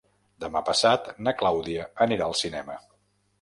Demà passat na Clàudia anirà al cinema.